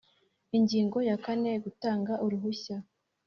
Ingingo ya kane Gutanga uruhushya